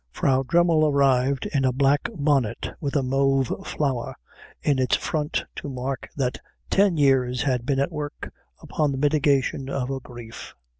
Frau Dremmel arrived in a black bonnet with a mauve flower in its front to mark that ten years had been at work upon the mitigation of her grief.